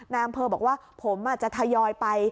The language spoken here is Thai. นายอำเภอบอกว่าผมจะทยอยไป